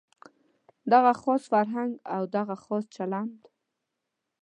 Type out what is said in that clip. دغه خاص فرهنګ او دغه خاص چلند.